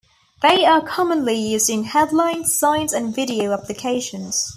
They are commonly used in headlines, signs, and video applications.